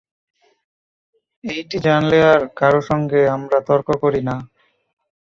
এইটি জানলে আর কারও সঙ্গে আমরা তর্ক করি না।